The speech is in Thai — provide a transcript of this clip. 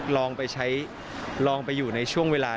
ลองไปใช้ลองไปอยู่ในช่วงเวลา